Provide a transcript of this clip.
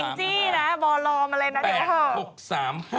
แอ้นจินะบลอลมอะไรนะ